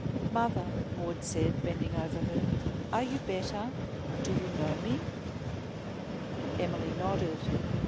"Mother," Maud asked, bending over her, "are you better? Do you know me?" Emily nodded.